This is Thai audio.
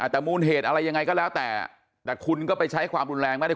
แต่มูลเหตุอะไรยังไงก็แล้วแต่แต่คุณก็ไปใช้ความรุนแรงไม่ได้